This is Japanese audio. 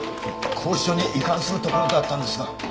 拘置所に移監するところだったんですが。